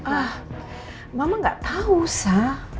ah mama gak tahu sah